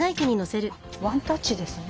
ワンタッチですね。